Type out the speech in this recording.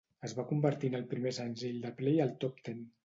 Es va convertir en el primer senzill de Play al top ten.